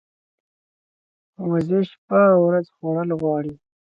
وزې شپه او ورځ خوړل غواړي